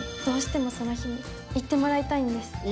どうしてもその日に行ってもらいたいんです」。